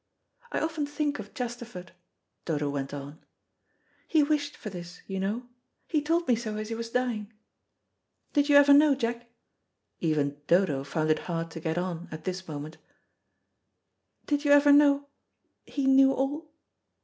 "I often think of Chesterford," Dodo went on. "He wished for this, you know. He told me so as he was dying. Did you ever know, Jack " even Dodo found it hard to get on at this moment "did you ever know he knew all?